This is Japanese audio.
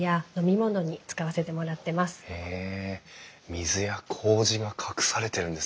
水やこうじが隠されてるんですね。